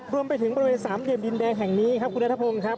รวมไปถึงบริเวณสามเหลี่ยมดินแดงแห่งนี้ครับคุณนัทพงศ์ครับ